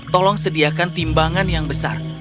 tolong sediakan timbangan yang besar